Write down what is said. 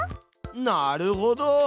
なるほど！